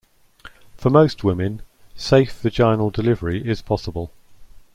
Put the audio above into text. For most women, safe vaginal delivery is possible.